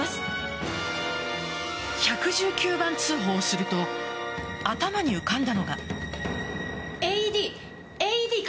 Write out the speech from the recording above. １１９番通報すると頭に浮かんだのが。